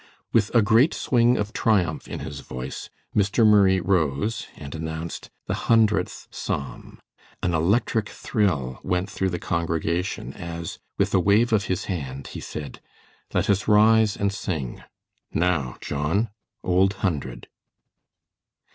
With a great swing of triumph in his voice, Mr. Murray rose and announced the Hundredth Psalm. An electric thrill went through the congregation as, with a wave of his hand, he said: "Let us rise and sing. Now, John, Old Hundred."